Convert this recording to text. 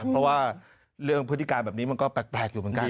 เพราะว่าเรื่องพฤติการแบบนี้มันก็แปลกอยู่เหมือนกัน